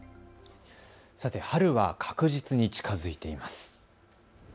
さて、春は確実に近づいています。